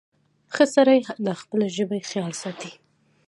• ښه سړی د خپلې ژبې خیال ساتي.